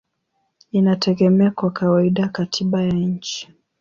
inategemea kwa kawaida katiba ya nchi.